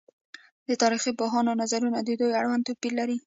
د تاريخ پوهانو نظرونه د دوی اړوند توپير لري